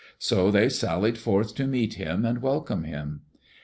So they sallied forth to meet him and welcome him.